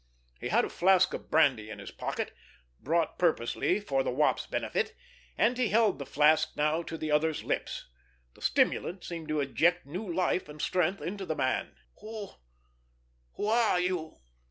He had a flask of brandy in his pocket, brought purposely for the Wop's benefit, and he held the flask now to the other's lips. The stimulant seemed to inject new life and strength into the man. "Who—who are you?"